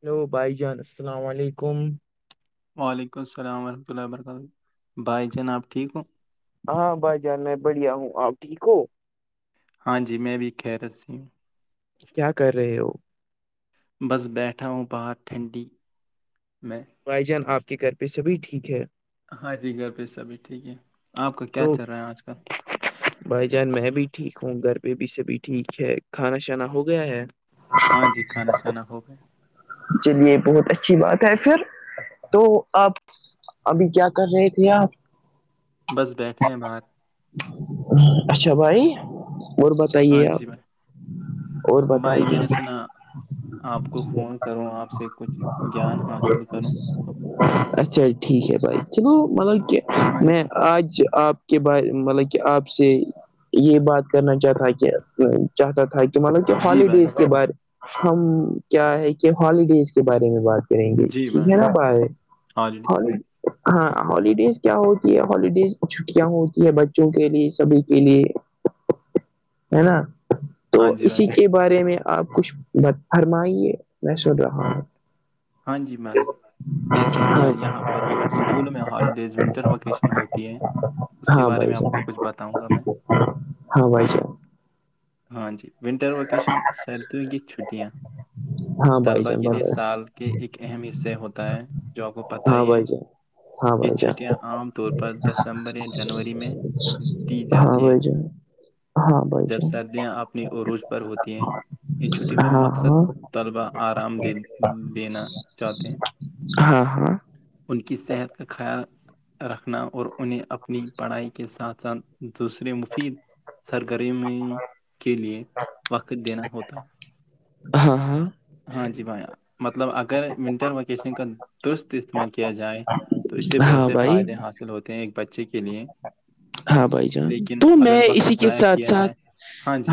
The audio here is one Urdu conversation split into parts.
ہیلو بھائی جان السلام علیکم وعلیکم السلام ورحمۃ اللہ و برکاتہ بھائی جان اپ ٹھیک ہوں ہاں بھائی جان میں بڑھیا ہوں آپ ٹھیک ہو ہاں جی میں بھی خیرت سے ہوں کیا کر رہے ہو بس بیٹھا ہوں باہر ٹھنڈی میں بھائی جان آپ کے گھر پہ سبھی ٹھیک ہے ہاں جی گھر پہ سبھی ٹھیک ہے آپ کا کیا تو چل رہا ہے آج کل بھائی جان میں بھی ٹھیک ہوں گھر پے بھی سبھی ٹھیک ہے کھانا شانا ہو گیا ہے ہاں جی کھانا شانا ہو گئے چلیے بہت اچھی بات ہے پھر تو آپ ابھی کیا کر رہے تھے آپ بس بیٹھے ہیں باہر اچھا بھائی ے ہاں آ جی بھائی اور بھائی میں بتائیے نے سنا آپ کو فون کروں آپ سے کچھ گیان حاصل کروں تو اچھا ٹھیک ہے بھائی چلو مطلب کہ ہاں میں جی آج آپ کے بارے مطلب کہ آپ سے یہ بات کرنا چاہتا کہ چاہتا تھا کہ کہ مطلب کہ جی بھائی ہالیڈیز کے بارے ہم کیا ہے کہ ہالیڈیز کے بارے میں بات کریں گے ٹھیک ہے نا بھائی ہالیڈیز ہاں ہالیڈیز کیا ہوتی ہے ہالیڈیز چھٹیاں ہوتی ہیں بچوں کے لیے سبھی کے لیے ہے نا تو ہاں جی بھائی اسی کے بارے میں آپ کچھ فرمائیے میں سن رہا ہوں ہاں جی میں جیسے کہ ہاں یہاں پر اسکول میں ہالیڈیز ونٹر وکیشن ہوتی ہیں اس کے ہاں بارے بھائی میں آپ کو جان کچھ بتاؤں گا میں ہاں بھائی جان ہاں جی ونٹر ووکیشن سردیوں کی چھٹیاں ہاں بھائی طلبا جان کے لیے بتائے سال کے ایک اہم حصے ہوتا ہے جو آ کو پتہ ہاں ہی ہے بھائی جان ہاں یہ بھائی جان چھٹیاں عام طور پر دسمبر یا جنوری میں دی ہاں جاتی ہیں بھائی جان ہاں بھائی جب جان سردیاں اپنی عروج پر ہوتی ہیں ان چھٹی میں ہاں مقصد ہاں طلبہ آرام دین دینا چاہتے ہیں ہاں ہاں ان کی صحت کا خیال رکھنا اور انہیں اپنی پڑھائی کے ساتھ ساتھ دوسرے مفید سرگرمیوں کے لیے وقت دینا ہوتا ہے ہاں ہاں ہاں جی بھائی مطلب اگر ونٹر ویکیشن کا درست استعمال کیا جائے تو اس سے بہت ہاں سے بھائی فائدے حاصل ہوتے ہیں ایک بچے کے لیے ہاں بھائی جان لیکن تو اگر میں وقت اسی کے ضائع ساتھ کیا ساتھ جائے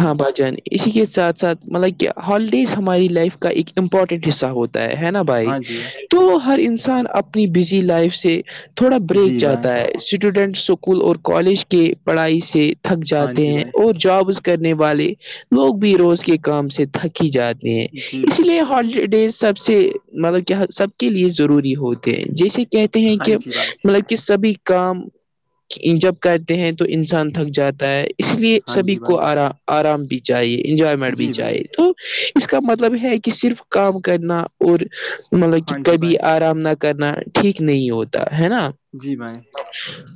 ہاں بھائی جان اسی کے ساتھ ساتھ مطلب کہ ہالیڈیز ہماری لائف کا ایک امپورٹنٹ حصہ ہوتا ہے ہے نا بھائی ہاں جی تو ہر انسان اپنی بزی لائف سے تھوڑا جی بریک بھائی چاہتا ہے اسٹوڈینٹ اسکول اور کالج کے پڑھائی سے تھک ہاں جاتے جی ہیں بھائی اور جابس کرنے والے لوگ بھی روز کے کام سے تھک کی جاتی ہیں جی اس بھائی لیے ہالی ڈیز سب سے مطلب کیا سب کے لیے ضروری ہوتے ہیں جیسے کہتے ہیں ہاں کہ جی بھائی مطلب کہ سبھی کام جب کر ہیں تو انسان تھک جاتا ہے اس لیے ہاں سبھی جی بھائی کو آرا آرام بھی چاہیے انجوائمنٹ بھی چاہیے تو اس کا مطلب ہے کہ صرف کام کرنا اور مطلب کہ کبھی آرام نہ کرنا ٹھیک نہیں ہوتا ہے نا جی بھائی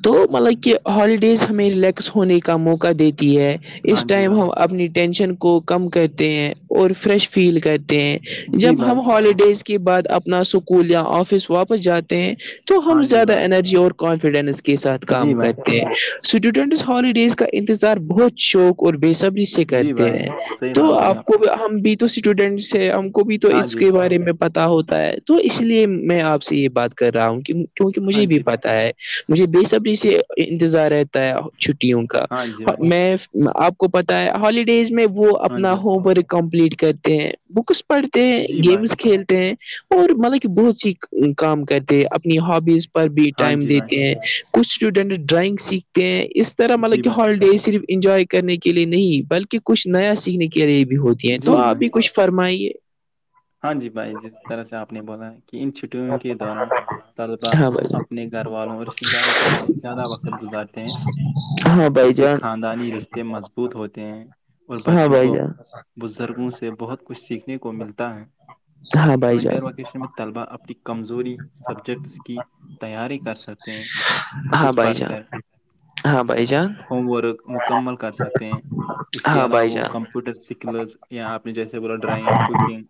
تو مطلب کہ ہالیڈیز ہمیں ریلیکس ہونے کا موقع دیتی ہے ہاں اس جی ٹائم ہم بھائی اپنی ٹینشن کو کم کرتے ہیں اور فریش فیل کرتے ہیں جی جب بھائی ہم ہالیڈیز کے بعد اپنا اسکول یا آفس واپس جاتے ہیں تو ہم ہاں جی زیادہ بھائی انرجی اور کانفیڈینس کے ساتھ جی کام بھائی ہاں جی بھائی جی بھائی کرتے ہیں اسٹوڈینٹس ہالیڈیز کا انتظار بہت شوق اور بے سبری سے جی کرتے بھائی ہیں صحیح تو بات بولی آپ کو نے ہم بھی تو اسٹوڈینٹس ہیں ہم کو بھی تو ہاں اس جی کے بارے میں پتا ہوتا ہے تو اس لیے میں آپ سے یہ بات کر رہا ہوں کہ کیونکہ ہاں مجھے بھی جی بھائی پتا ہے مجھے بے سبریی سے انتظار ہے چھٹیوں کا ہاں جی بھائی میں آپ کو پتا ہے ہالیڈیز میں وہ وہ ہاں اپنا جی بھائی ہوم ورک کمپلیٹ کرتے ہیں بکس پڑھتے ہیں جی بھائی گیمس کھیلتے ہیں اور مطلب کہ بہت سی کام کرتے ہیں اپنی ہابیس پر بھی ہاں ٹائم جی بھائی دیتے ہیں کچھ اسٹوڈینٹ ڈرائنگ سیکھتے ہیں اس طرح جی مطلب کہ بھائی ہال صرف انجوائے کرنے کے لیے نہیں بلکہ کچھ نیا سیکھنے کے لیے بھی ہوتی ہیں تو جی میں آپ بھی کچھ فرمائیے ہاں جی بھائی جس طرح سے آپ نے بولا کہ ان چھٹیوں کے دوران طلبا ہاں اپنے گھر والوں اور رشتتے داروں کے ساتھ زیادہ وقت گزارتے ہیں اس بھائی سے جان خاندانی رشتے مضبوط ہوتے ہیں اور ہاں بچوں کو بھائی جان بزرگوں سے بہت کچھ سیکھنے کو ملتا ہے ہاں بھائی ونٹر جان وقت طلبا اپنی کمزوری سبجیکٹس کی تیاری کر سکتے ہیں ہاں بکس بھائی پڑھ جان کر ہاں بھائی جان ہوم ورک مکمل کر سکتے ہیں اس کے ہاں علاوہ بھائی وہ کم جان کمپیوٹر سکلز یا اپ نے جیسے بولا ڈرائنگ کوکنگ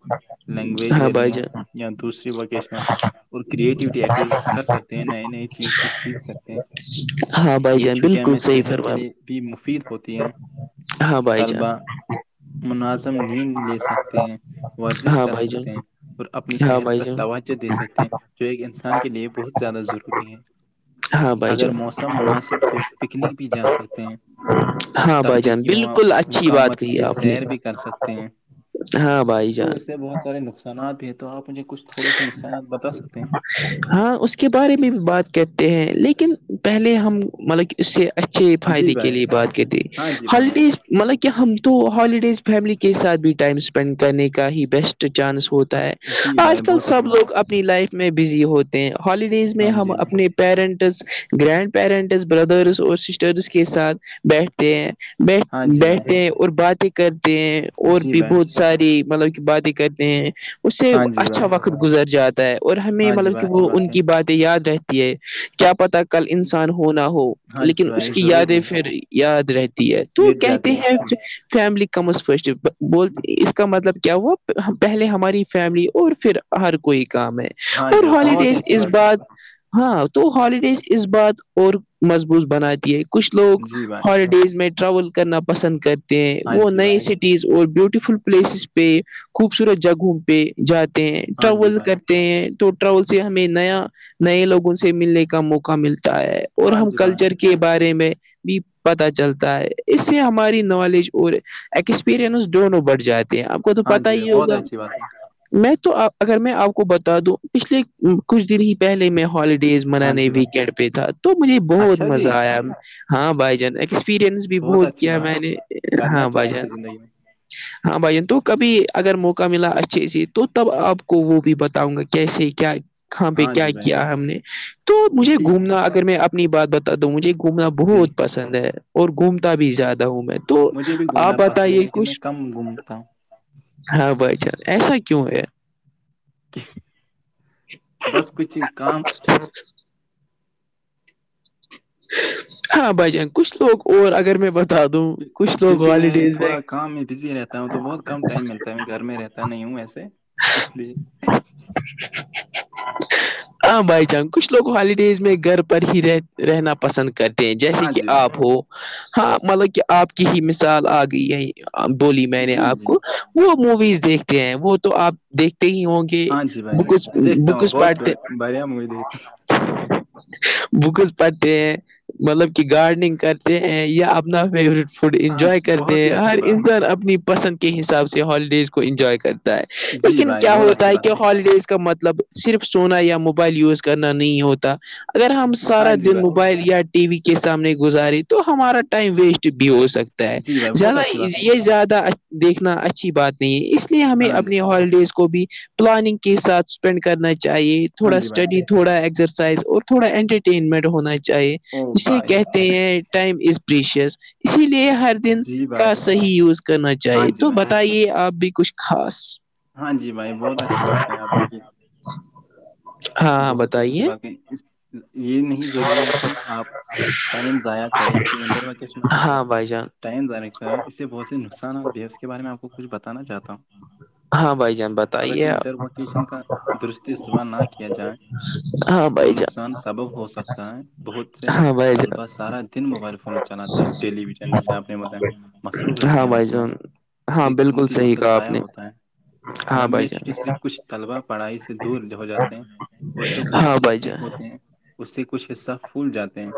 لینگویج ہاں بھائی لرننگ جان یا دوسری ووکیشنل اور کریٹیوٹی ایکٹیوٹیز کر سکتے نئی نئی چیز کچھ سیکھ سکتے ہیں ہاں بھائی یہ جان چھٹیاں بالکل میں صحیح صحت کے فرما لیے بھی مفید ہوتی ہیں ہاں بھائی جان طلبا مناظم نیند لے سکتے ہیں وہ ہاں کر بھائی جان سکتے ہیں اور اپنی ہاں صحت بھائی پر جان توجہ دے سکتے ہیں جو ایک انسان کے لیے بہت زیادہ ضروری ہے ہاں بھائی اگر جان موسم مناسب تو پکنک بھی جا سکتے ہیں ہاں بھائی تفری جان کی مو بالکل اچھی بات مقامت کہی کی آپ نے سیر بھی کر سکتے ہیں ہاں بھائی تو جان اسسے بہت سارے نقصانات بھی ہیں تو آپ مجھے کچھ تھوڑے سے نقصانات بتا سکتے ہیں ہاں اس کے بارے میں بھی بات کرتے ہیں لیکن پہلے ہم مطلب اس سے اچھے جی فائدے کے بھائی لیے بات کرتے ہاں جی ہالی بولیے مطلب کہ ہم تو ہالیڈیز فیملی کے ساتھ بھی ٹائم اسپینڈ کرنے کا ہی بیسٹ چانس ہو تا ہے جی آج بھائی کل بہت سب اچھی بات لوگ اپنی لائف میں بزی ہوتے ہیں ہالیڈیز میں ہاں ہم جی بھائی اپنے پیرنٹس گرینڈ پیرنٹس بردرس اور سسٹرس کے ساتھ بیٹھتے ہیں بیٹھ ہاں جی بھائی بیٹھتے ہیں اور باتیں کرتے ہیں اور جی بھی بھائی بہت ساری مطلب کہ باتیں کرتے ہیں اس سے ہاں جی اچھا بھائی وقت گزر جاتا ہے اور ہمیں ہاں جی مطلب بھائی کہ اچھی وہ ان ہے کی بات یاد رہتی ہے کیا پتا کل انسان ہو نہ ہو ہاں جی لیکن بھائی اس یہ کی ضروری یادیں ہے پھر یاد رہتی ہے تو مٹ کہتے جاتے ہیں فیملی کمز فسٹ اس کا مطلب کیا ہوا پہلے ہماری فیملی اور پھر ہر کوئی کام ہے ہاں اور جی بہت ہی ہالیڈیز اچھی اس بات بار ہاں تو ہالیڈیز اس بات اور مضبوط بناتی ہے کچھ لوگ جی بھائی ہالیڈیز میں ٹراول کرنا پسند کرتے ہیں ہاں وہ جی نئے بھائی سے چیز اور بیوٹیفل پلیسز پہ خوبصورت جگہوں پہ جاتے ہیں ہاں جی ٹراول بھائی کرتے ہیں تو ٹراول سے ہمیں نیا نئے لوگوں سے ملنے کا موقع ملتا ہے اور ہاں ہم جی بھائی کلچر کے کے بارے میں بھی پتا چلتا ہے اس سے ہماری نالج اور ایکسپیرنس دونوں بٹھ جاتے ہیں آپ کو تو ہاں پتا جی بھائی ہی بہت ہوگا اچھی بات ہے میں تو اپ اگر میں آپ کو بتا دوں پچھلے کچھ دن ہی پہلے میں ہالیڈیز ہاں منانے جی بھائی ویکینڈ پہ تھا تو مجھے بہت اچھا مزہ جی آیا ہاں بھائی جان ایکسپیرنس بھی بہت اچھی کیا بات ہے میں نے کرنا ہاں چاہیے بھائی جان ایسے زندگی میں ہاں بھائی جان تو کبھی اگر موقع ملا اچھے سے تو تب آپ کو وہ بھی بتاؤں گا کہ کیسے کیا کہاں پہ ہاں کیا جی بھائی کیا ہم نے تو مجھے ٹھیک ہے گھومنا اگر میں اپنی بات با تو مجھے گھومنا جی بہت پسند ہے اور گھومتا بھی زیادہ ہوں میں ہاں جی تو مجھے بھی آپ گھومنا پسند ہے بتائیے لیکن میں کچھ کم گھومتا ہوں ہاں بھائی جان ایسا کیوں ہے بس کچھ کام [unintelligible] ہاں بھائی جان کچھ لوگ اور اگر میں با [unintelligible] کیونکہ میں تھوڑا کام میں بزی رہتا ہوں تو بہت کم ٹائم ملتا ہے میں گھر میں رہتا نہیں ہوں ویسے اس لیے ہاں بھائی جان کچھ لوگ ہالیڈیز میں گھر پر ہی رہ رہنا پسند کرتے ہیں جیسے ہاں کہ جی آپ بھائی ہو ہاں مطلب کہ آپ کی ہی مثال آ گئی ہے بولی میں نے جی آپ جی کو وہ موویز دیکھتے ہیں وہ تو آپ دیکھتے ہی ہوں گے [unintelligible] ہاں جی بھائی دیکھتا ہوں بہت ب- بڑھیا مووی دیکھتا ہوں [unintelligible] مطلب کہ گارڈننگ کرتے ہیں یا اپنا فوڈ ہاں انجوائے جی کرتے بہت ہی ہیں اچھی ہر بات انسان اپنی پسند کے حساب سے ہالیڈیز کو انجوائے کرتے ہے جی لیکن بھائی کیا بہت ہوتا اچھی ہے کہ بات ہالیڈیز کا مطلب صرف سونا یا موبائل یوز کرنا نہیں ہوتا اگر ہم ہاں سارا جی دن بھائی موبائل یا ٹی وی کے سامنے گزاری تو ہمارا ٹائم ویسٹ بھی ہو سکتا ہے جی بھائی بہت زیادہ اچھی بات ہے یہ زیادہ دیکھنا اچھی بات نہیں ہے اس اس لیے ہمیں ہاں جی اپنے ہالیڈیز کو بھی پلاننگ کے ساتھ اسپینڈ کرنا چاہیے ہاں تھوڑا جی بھائی اسٹڈی تھوڑا ایکسرسائز اور تھوڑا انٹرٹینمنٹ ہونا چاہیے او اسے بھائی کہتے صاحب ہیں ٹائم اسپیشس اسی لیے ہر دن جی بھائی کا صحیح یوز کرنا ہاں چاہیے جی تو بھائی با بتائیے آپ بھی کچھ خاص ہاں جی بھائی بہت اچھی بات کہی آپ کہ ہ [unintelligible] بہت ہی اچھی بات ہے یہ نہیں ضروری ہے کہ آپ ٹائم ضائع کرے کہ ونٹر ویکیشن میں ہم گھر ہاں پہ بھائی جان ٹائم [unintelligible] ائع ہے اس سے بہت سے نقصانات بھی ہے اس کے بارے میں آپ کو کچھ بتانا چاہتا ہوں ہاں بھائی جان بتائیے اگرچہ و انٹر آپ واکیشن کا درست استعمال نہ کیا جائے ہاں تو بھائی جان نقصان سبب ہو سکتا ہے بہت سے ہاں بھائی جان طلبہ سارا دن موبائل فون چلاتے ہیں ٹیلی ویژن جیسے آپ نے باتیا مصروف رہتے ہاں ہیں بھائی اس میں جان ہاں جسے بالکل قیمتی صحیح وقت کہا آپ ضائع نے ہوتا ہے ہاں بھائی لمبے جان چھٹی سے کچھ طلبا پڑھائی سے دور ہو جاتے ہیں اور جو کچھ ہاں بھائی سیکھتے جان ہوتے ہیں اس سے کچھ حصہ پھول جاتے ہیں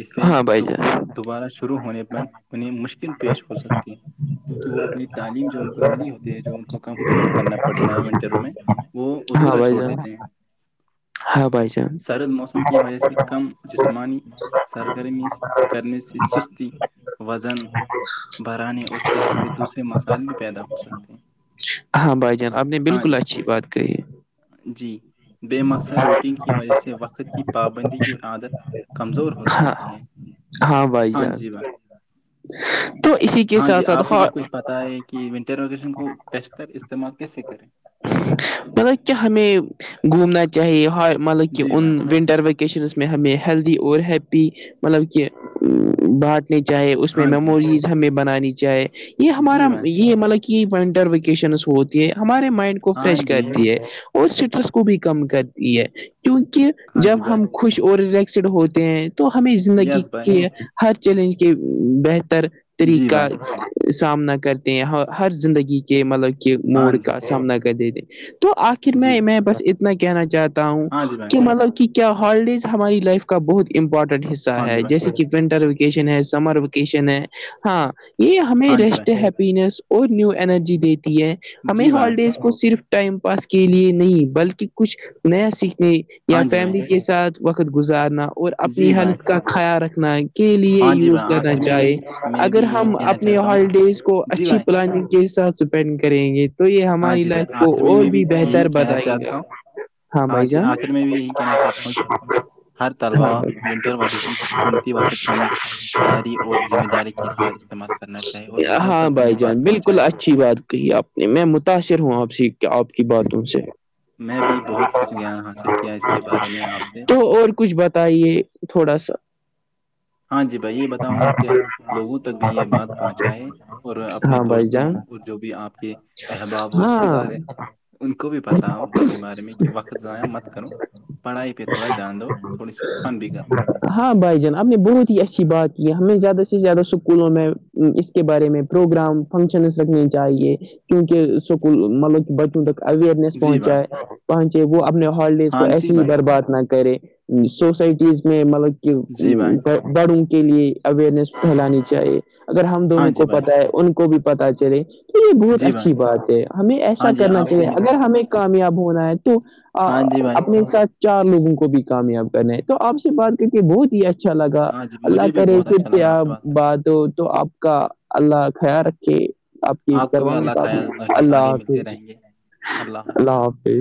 اس سے ہاں بھائی سکول جان دوبارہ شروع ہونے پر انہیں مشکل پیش ہو سکتی ہے کیونکہ وہ اپنی تعلیم جو ان کو ملی ہوتی ہے جو ان کو کمپلیٹ کرنا پڑتا ہے ونٹروں میں وہ ہاں ادھورا بھائی چھوڑ جان دیتے ہیں ہاں بھائی جان سرد موسم کی وجہ سے کم جسمانی سرگرمی کرنے سے سستی وزن برانے اور صحت کے دوسرے مسائل بھی پیدا ہو سکتے ہیں ہاں بھائی جان آپ نے ہاں جی بالکل اچھی بات کہی ہے جی بے مقصر روٹین کی وجہ سے وقت کی پابندی کی عادت کمزور ہو ہاں سکتی ہے ہاں بھائی جان جی بھائی تو اسی کے ہاں جی ساتھ ساتھ آپ مجھے ہا- کچھ بتا ئیں کہ ونٹر ویکیشن کو بیشتر استعمال کیسے کریں مطلب کیا ہمیں گھومنا چاہیے مطلب کہ جی بھائی ان ونٹر وکیشنس میں ہمیں ہیلدی اور ہیپی مطلب کہ بات چاہے اس میں ہاں جی میموریز ہمیں بنانی چاہے یہ جی ہمارا بھائی یہ مطلب کی ونٹر ویکیشنس ہوتی ہے ہمارے مائنڈ کو ہاں فریش جی کرتی اور سٹرس کو بھی کم کرتی ہے کیونکہ ہاں جب جی بھائی ہم خوش اور ریلیکسڈ ہوتے ہیں تو ہمیں زندگی یس بھائی کے ہر چیلنج کے بہتر جی طریقہ بھائی سامنا کرتے ہیں ہر زندگی کے مطلب کے ہاں موڈ جی کا بھائی سامنا کر دیتے ہیں تو آخر جی میں بھائی میں بس اتنا کہنا چاہتا ہوں ہاں جی بھائی کہ مطلب کہ کیا ہالیڈیز ہماری لائف کا بہت امپورٹنٹ حصہ ہاں جی ہے بھائی جیسے کہ ونٹر وکیشن ہے سمر وکیشن ہے ہاں یہ ہمیں ہاں جی ریسٹ بھائی ہے اور نیو انرجی دیتی ہے ہمیں جی بھائی ہالیڈیز کو صرف ٹائم پاس کے لیے نہیں بلکہ کچھ نیا سیکھنے یا ہاں جی بھائی فیملی کے ساتھ وقت گزارنا اور اپنی جی بھائی ہیلت کا خیال رکھنا کے لیے ہاں جی یوز بھائی کرنا آخر میں بھی چاہے میں اگر بھی یہی ہم کہنا اپنے چاہتا ہوں ہالیڈیز کو جی اچھی بھائی پلاننگ کے ساتھ اسپینڈ کریں گے تو یہ ہاں ہماری جی بھائی لائف کو آخر میں اور میں بھی بہتر یہی کہنا بتائے گا چاہتا ہوں ہاں بھائی جی جان آخر میں بھی یہی کہنا چاہتا ہوں کہ ہر طلبہ ہاں ونٹر ویکیشن کی قیمتی وقت سمجھداری اور ذمہ داری کے ساتھ استعمال کرنا چاہیے اور لوگوں ہاں تک بھی بھائی یہ بات جان بالکل پہنچایا اچھی بات کہی آپ میں متاثر ہوں آپ سے آپ کی باتوں سے میں بھی بہت کچھ گیان حاصل کیا اس کے بارے میں آپ سے تو اور کچھ بتائیے تھوڑا سا ہاں جی بھائی یہ بتاؤں گا کہ لوگوں تک بھی یہ بات پہنچائے اور اپنے ہاں بھائی دوستوں جان اور جو بھی آپ کے احباب اور رشتے ہاں دار ان کو بھی پتا ہو اس کے بارے میں کہ وقت ضائع مت کرو پڑھائی پہ تھوڑا دھیان دو تھوڑی سی فن بھی کر ہاں بھائی جان آپ نے بہت ہی اچھی بات کی ہے ہمیں زیادہ سے زیادہ اسکولوں میں کے بارے میں پروگرام فنکشنس رکھنے چاہیے کیونکہ اسکول مطلب بچوں تک اوئیرنیس جی بھائی پہنچائے پہنچے وہ اپنے ہالیڈیز کو ہاں جی ایسے ہی بھائی برباد نہ کرے سوسائٹیز میں مطلب کی جی بھائی بڑوں کے لیے اوئرنیس پھیلانی چاہیے اگر ہم ہاں دونوں جی کو بھائی پتا ہے ان کو بھی پتا چلے تو یہ بہت جی بھائی اچھی بات ہے ہمیں ہاں ایسا جی کرنا آپ سے چاہیے مل اگر کر ہمیں کامیاب ہونا ہے تو ا ہاں جی بھائی اپنے ساتھ چار لوگوں کو بھی کامیاب کرنا ہے تو آپ سے بات کر کے بہت ہی اچ ھا لگا ہاں جی اللہ مجھے بھی کرے بہت پھر اچھا سے لگا آپ کرتے بات ہو تو آپ کا اللہ خیال رکھے آپ کی کو بھی پروانگی اللہ کافی خیال رکھے اللہ آگے ملتے حافظ رہیں گے اللہ کہاں پے